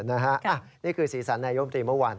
อั้ะนี่คือศีรษรนายยมตรีเมื่อวาน